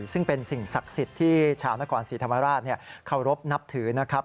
ซึ่งเป็นสิ่งศักดิ์สิทธิ์ที่ชาวนครศรีธรรมราชเคารพนับถือนะครับ